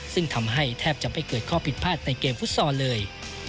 ซึ่งทำให้แทบจะไม่เกิดข้อผิดพลาดในเกมฟุตซอลเลย